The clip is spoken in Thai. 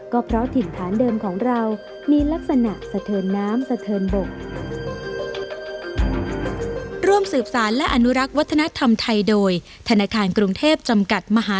ก็เพราะถิ่นฐานเดิมของเรามีลักษณะสะเทินน้ำสะเทินบก